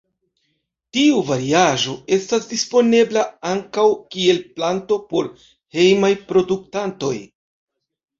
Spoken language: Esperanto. Tiu variaĵo estas disponebla ankaŭ kiel planto por hejmaj produktantoj.